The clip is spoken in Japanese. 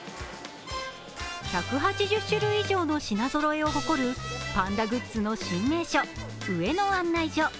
１８０種類以上の品ぞろえを誇るパンダグッズの新名所、上野案内所。